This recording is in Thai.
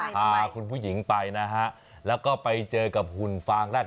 พาคุณผู้หญิงไปนะฮะแล้วก็ไปเจอกับหุ่นฟางแรก